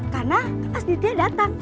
karena pas ditia datang